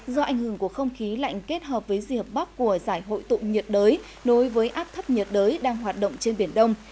do ảnh hưởng của không khí lạnh kết hợp với dị hợp bóc của giải hội tụ nhiệt đới đối với áp thấp nhiệt đới đang hoạt động trên biển đông